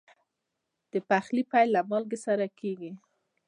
د پخلي پیل له مالګې سره کېږي.